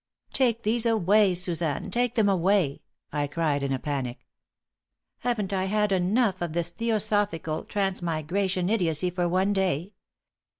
"Take these away, Suzanne! Take them away!" I cried, in a panic. "Haven't I had enough of this theosophical, transmigration idiocy for one day?